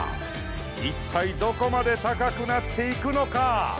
いったいどこまで高くなっていくのか？